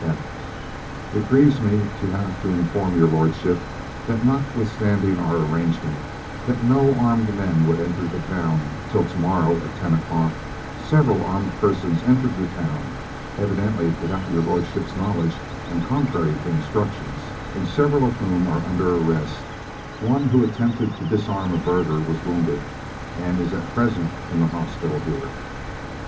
"(f) It grieves me to have to inform Your Lordship, that notwithstanding our arrangement, that no armed men would enter the town till to morrow at 10 o'clock, several armed persons entered the town (evidently without Your Lordship's knowledge, and contrary to instructions), and several of whom are under arrest; one who attempted to disarm a burgher was wounded, and is at present in the hospital here.